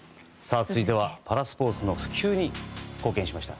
続いてはパラスポーツの普及に貢献しました。